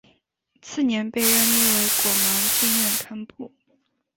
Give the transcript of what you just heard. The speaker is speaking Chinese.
次年被任命为果芒经院堪布。